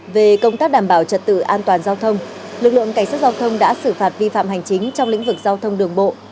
về công tác đảm bảo trật tự an toàn giao thông lực lượng cảnh sát giao thông đã xử phạt vi phạm hành chính trong lĩnh vực giao thông đường bộ